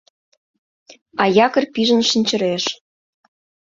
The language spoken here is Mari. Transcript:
А якорь пижын шинчыреш